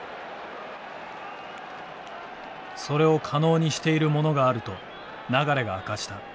それを可能にしているものがあると流が明かした。